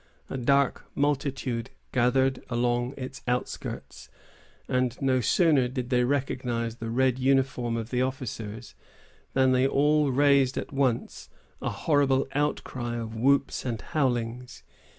A dark multitude gathered along its outskirts, and no sooner did they recognize the red uniform of the officers, than they all raised at once a horrible outcry of whoops and howlings.